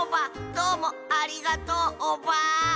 どうもありがとうオバ。